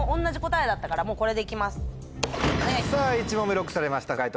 １問目ＬＯＣＫされました解答